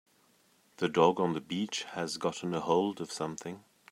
The dog on the beach has gotten a hold of something.